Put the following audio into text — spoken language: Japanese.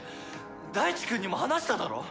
大智くんにも話しただろ？